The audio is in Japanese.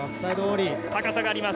高さがあります。